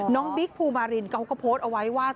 บิ๊กภูมารินเขาก็โพสต์เอาไว้ว่า